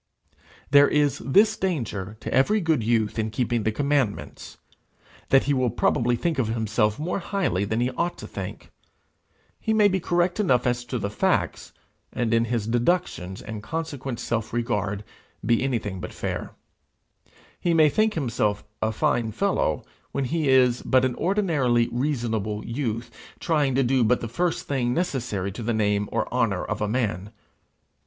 There is this danger to every good youth in keeping the commandments, that he will probably think of himself more highly than he ought to think. He may be correct enough as to the facts, and in his deductions, and consequent self regard, be anything but fair. He may think himself a fine fellow, when he is but an ordinarily reasonable youth, trying to do but the first thing necessary to the name or honour of a man.